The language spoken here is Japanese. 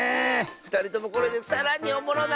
ふたりともこれでさらにおもろなったんちゃう